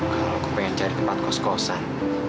kalau aku pengen cari tempat kos kosan